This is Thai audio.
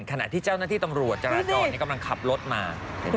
ขณะที่เจ้าหน้าที่ตำรวจจราจรกำลังขับรถมา